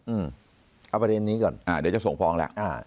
เอาประเด็นนี้ก่อนอ่าเดี๋ยวจะส่งฟ้องแล้วอ่า